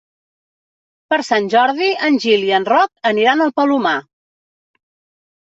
Per Sant Jordi en Gil i en Roc aniran al Palomar.